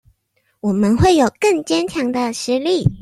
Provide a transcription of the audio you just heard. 我們會有更堅強的實力